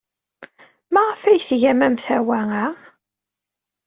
Maɣef ay tgam amtawa-a?